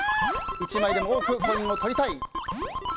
１枚でも多くコインを取りたい。